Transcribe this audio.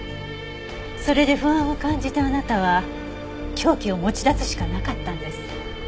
それで不安を感じたあなたは凶器を持ち出すしかなかったんです。